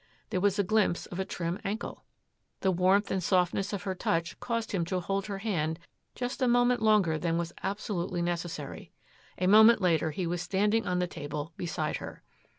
There was a glimpse of a trim ankle. The warmth and softness of her touch caused him to hold her hand just a moment longer than was absolutely necessary. A moment later he was standing on the table beside her.